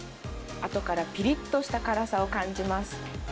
あとからぴりっとした辛さを感じます。